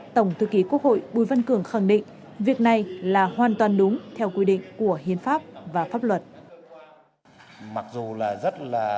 tổng thư ký quốc hội bùi văn cường khẳng định việc này là hoàn toàn đúng theo quy định của hiến pháp và pháp luật